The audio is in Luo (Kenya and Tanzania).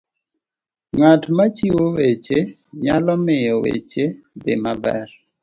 ng'at machiwo weche nyalo miyo weche dhi maber